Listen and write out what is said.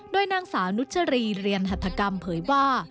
โดยนางสาวนุชรีเรียนหัฐกรรมเผยว่า